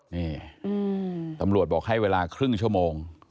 นี่ตำรวจบอกให้เวลาครึ่งชั่วโมง